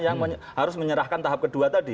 yang harus menyerahkan tahap ke dua tadi